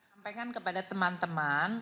sampaikan kepada teman teman